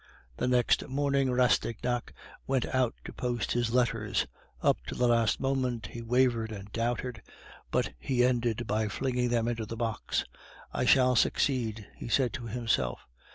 The next morning Rastignac went out to post his letters. Up to the last moment he wavered and doubted, but he ended by flinging them into the box. "I shall succeed!" he said to himself.